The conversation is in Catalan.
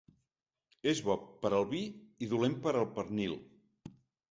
És bo per al vi i dolent per al pernil.